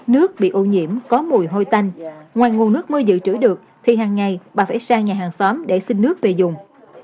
nước bị ô nhiễm có mùi hôi tanh ngoài nguồn nước mưa dự trữ được thì hàng ngày bà phải sang nhà hàng xóm để xin nước về dùng